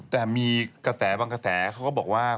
แต่มีกระแสบางกระแสเขาก็บอกว่า